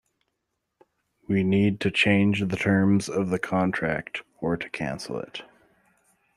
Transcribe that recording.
We need to change the terms of the contract, or to cancel it